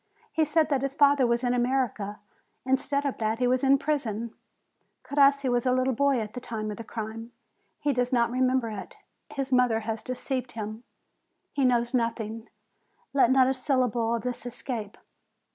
He said that his father was in America; instead of that he was in prison: Crossi was a little boy at the time of the crime; he does not remember it; his mother has deceived him; he knows nothing; let not a syllable of this escape